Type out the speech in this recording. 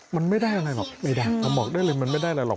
มันไม่ได้อะไรหรอกไม่ได้มันบอกได้เลยมันไม่ได้อะไรหรอก